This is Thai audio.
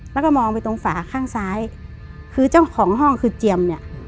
แล้วก็มองไปตรงฝาข้างซ้ายคือเจ้าของห้องคือเจียมเนี่ย